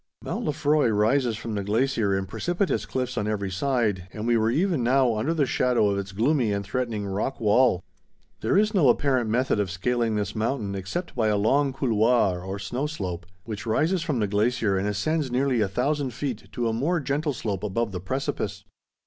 Mount Lefroy rises from the glacier in precipitous cliffs on every side, and we were even now under the shadow of its gloomy and threatening rock wall. There is no apparent method of scaling this mountain except by a long couloir or snow slope, which rises from the glacier and ascends nearly 1000 feet to a more gentle slope above the precipice.